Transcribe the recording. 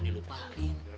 kita suntain deh